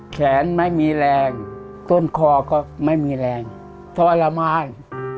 แขนไม่มีแรงต้นคอก็ไม่มีแรงทรมาน